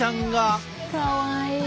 かわいい。